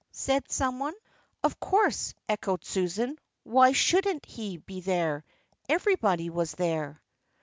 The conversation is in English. said someone. "Of course," echoed Susan; "why shouldn't he be there? Everybody was there."